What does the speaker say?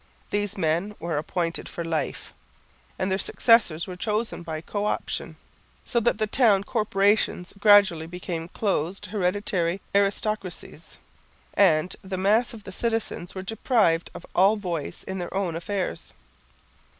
These men were appointed for life and their successors were chosen by co option, so that the town corporations gradually became closed hereditary aristocracies, and the mass of the citizens were deprived of all voice in their own affairs.